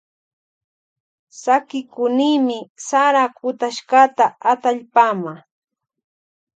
Sakikunimi sara kutashkata atallpama.